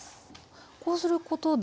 こうすることで？